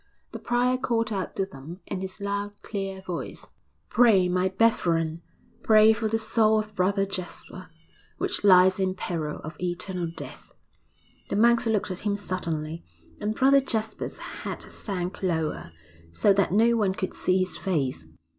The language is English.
The prior called out to them in his loud, clear voice, 'Pray, my brethren, pray for the soul of Brother Jasper, which lies in peril of eternal death.' The monks looked at him suddenly, and Brother Jasper's head sank lower, so that no one could see his face.